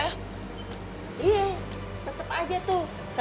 iya tetep aja tuh